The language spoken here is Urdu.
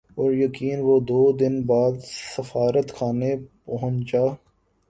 پُریقین جب وہ دو دن بعد سفارتخانے پہنچا